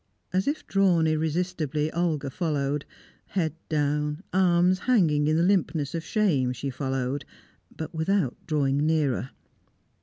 As if drawn irresistibly, Olga followed. Head down, arms hanging in the limpness of shame, she followed, but without drawing nearer.